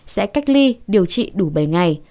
sẽ cách ly điều trị đủ bảy ngày